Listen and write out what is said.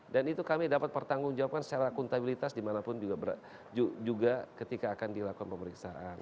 dan itu kami dapat bertanggung jawab secara akuntabilitas dimanapun juga ketika akan dilakukan pemeriksaan